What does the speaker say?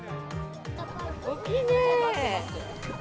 大きいねー。